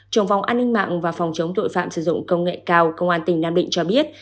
trường phòng an ninh mạng và phòng chống tội phạm sử dụng công nghệ cao công an tỉnh nam định cho biết